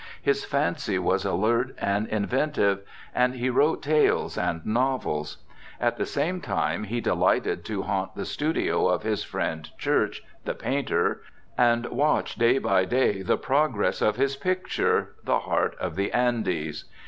His fancy was alert and inventive, and he wrote tales and novels. At the same time he delighted to haunt the studio of his friend Church, the painter, and watch day by day the progress of his picture, the Heart of the Andes.